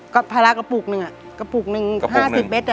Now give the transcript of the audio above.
ก็พรากระปุกหนึ่งอ่ะกระปุกหนึ่งห้าสิบเม็ดอ่ะ